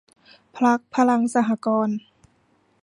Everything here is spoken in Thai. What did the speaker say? พรรคพลังสหกรณ์